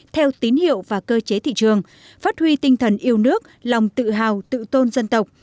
theo tín hiệu và cơ chế thị trường phát huy tinh thần yêu nước lòng tự hào tự tôn dân tộc